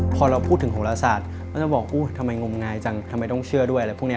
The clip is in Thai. พอเราพูดถึงโหลศาสตร์ก็จะบอกทำไมงมงายจังทำไมต้องเชื่อด้วยอะไรพวกนี้